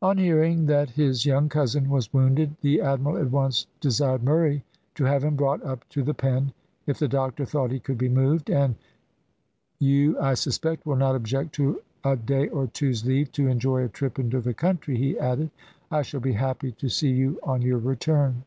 On hearing that his young cousin was wounded, the admiral at once desired Murray to have him brought up to the Pen, if the doctor thought he could be moved, "and you, I suspect, will not object to a day or two's leave to enjoy a trip into the country," he added; "I shall be happy to see you on your return."